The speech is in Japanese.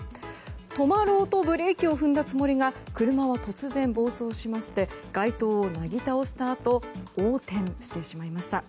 止まろうとブレーキを踏んだつもりが車は突然暴走しまして街灯をなぎ倒したあと横転してしまいました。